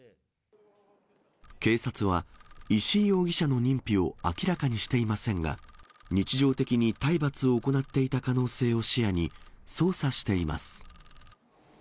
警察は石井容疑者の認否を明らかにしていませんが、日常的に体罰を行っていた可能性を視野に、捜査しています。